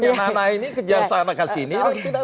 yang mana ini kejar sana ke sini